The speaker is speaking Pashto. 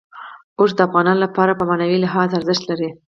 اوښ د افغانانو لپاره په معنوي لحاظ ارزښت لري.